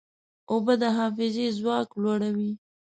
اوبه د حافظې ځواک لوړوي.